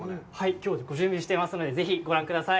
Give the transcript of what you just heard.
きょうご準備していますので、ぜひご覧ください。